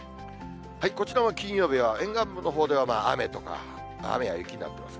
こちらも金曜日は沿岸部のほうでは雨とか、雨や雪になってます。